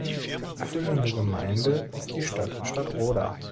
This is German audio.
Erfüllende Gemeinde ist die Stadt Stadtroda.